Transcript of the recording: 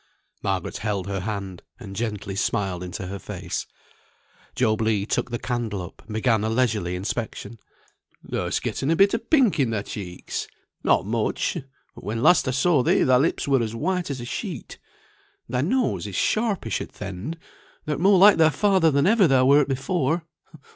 Margaret held her hand, and gently smiled into her face. Job Legh took the candle up, and began a leisurely inspection. "Thou hast getten a bit of pink in thy cheeks, not much; but when last I saw thee, thy lips were as white as a sheet. Thy nose is sharpish at th' end; thou'rt more like thy father than ever thou wert before.